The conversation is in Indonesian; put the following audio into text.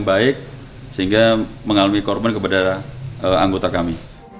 baik sehingga mengalami korban kepada anggota kami